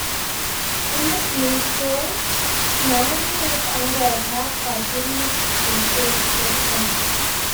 In this new story, humanity is under attack by demonic creatures called Oni.